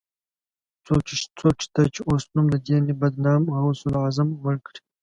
څوک شته، چې اوس نوم د دې بدنام غوث العظم مړ کړي